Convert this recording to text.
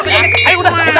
eh udah ustadz